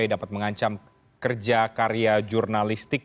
dapat mengancam kerja karya jurnalistik